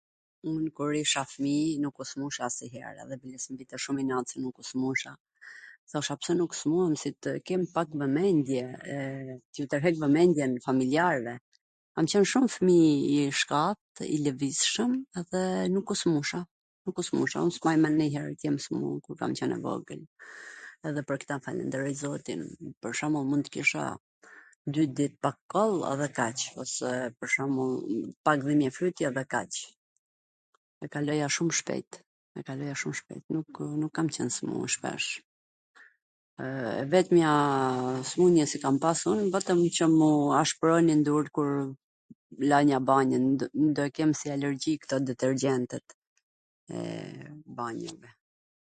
Un kur isha fmij, nuk u smursha asnjwher edhe biles mw vinte shum inat si nuk u smursha, thosha pse nuk swmurem qw tw kem pak vwmendje, t i twrheq vwmendjen familjarve, kam qwn shum fmij i that, i lwvizshwm, edhe nuk u smursha, nuk u smursha, un s mbaj mend ndonjher tw jem swmurur kur kam qwn e vogwl, edhe pwr ktw falwnderoj zotin, pwr shwmbull, kisha dy dit pak koll, edhe kaq, dhe pwr shwmbull pak dhimbje fyti edhe kaq, e kaloja shum shpejt, nukw, nuk kam qwn smur shpesh. E vetmja smundje qw kam pas un, ka qwn qw m u ashpwronin duart kur lanja banjwn, do e kem si alergji et kto detergjentwt e banjave.